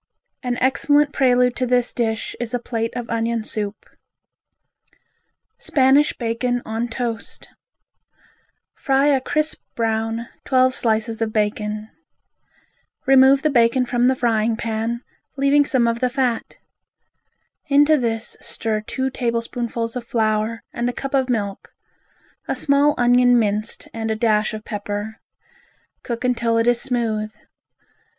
An excellent prelude to this dish is a plate of onion soup. Spanish Bacon on Toast Fry a crisp brown, twelve slices of bacon. Remove the bacon from the frying pan, leaving some of the fat. Into this stir two tablespoonfuls of flour and a cup of milk; a small onion minced and a dash of pepper. Cook until it is smooth.